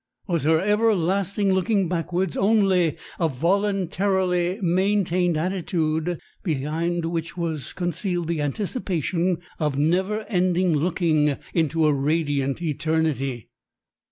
Was her everlasting looking backwards only a voluntarily maintained attitude behind which was concealed the anticipation of never ending looking into a radiant eternity?